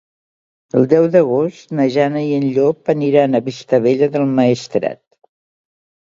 El deu d'agost na Jana i en Llop aniran a Vistabella del Maestrat.